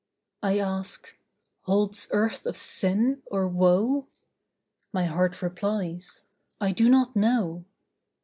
I ask, "Holds earth of sin, or woe?" My heart replies, "I do not know."